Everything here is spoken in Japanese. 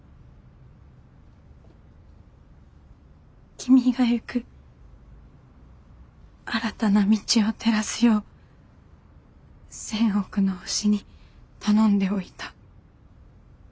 「君が行く新たな道を照らすよう千億の星に頼んでおいた」。